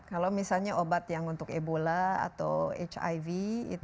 kalau misalnya obat yang untuk ebola atau hiv